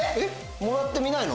もらって見ないの？